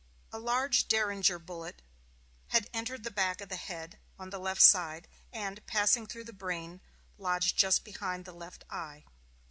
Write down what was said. A large derringer bullet had entered the back of the head, on the left side, and, passing through the brain, lodged just behind the left eye.